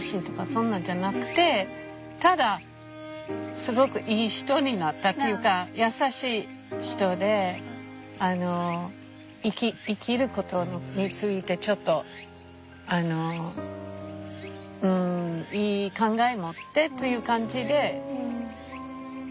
そんなんじゃなくてただすごくいい人になったっていうか優しい人で生きることについてちょっといい考え持ってという感じで望んでるのね。